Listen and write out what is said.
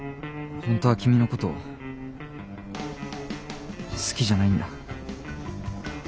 本当は君のこと好きじゃないんだ。